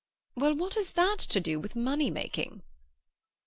"Well, what has that to do with money making?"